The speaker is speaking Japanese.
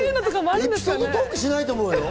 エピソードトークはしないと思うよ。